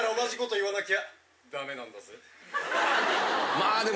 まあでも。